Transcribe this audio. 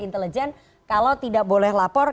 intelijen kalau tidak boleh lapor